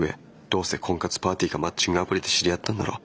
どうせ婚活パーティーかマッチングアプリで知り合ったんだろ。